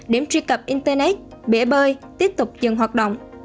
điểm truy cập internet bể bơi tiếp tục dừng hoạt động